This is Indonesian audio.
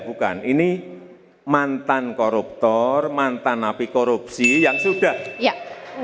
bukan ini mantan koruptor mantan api korupsi yang sudah